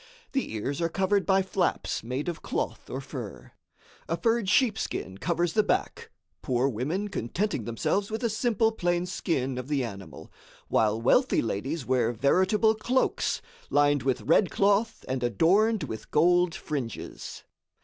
The ears are covered by flaps made of cloth or fur. A furred sheepskin covers the back, poor women contenting themselves with a simple plain skin of the animal, while wealthy ladies wear veritable cloaks, lined with red cloth and adorned with gold fringes.